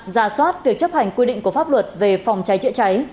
ra soát việc chấp hành quy định của pháp luật về phòng cháy chữa cháy